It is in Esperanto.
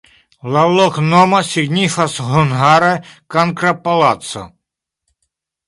La loknomo signifas hungare: kankra-palaco.